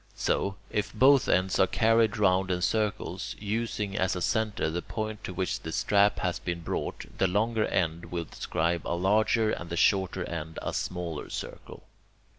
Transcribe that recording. So, if both ends are carried round in circles, using as a centre the point to which the strap has been brought, the longer end will describe a larger, and the shorter end a smaller circle.